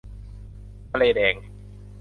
ทะเลแดง